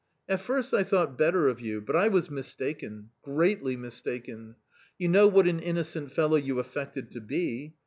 " At first I thought better of you, but I was mistaken, greatly mistaken ! You know what an innocent fellow you affected to be